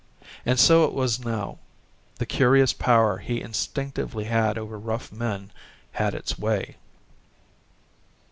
And so it was now the curious power he instinctively had over rough men had its way.